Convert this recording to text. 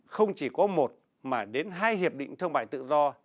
không chỉ có một mà đến hai hiệp định thương mại tự do